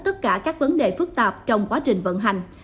tất cả các vấn đề phức tạp trong quá trình vận hành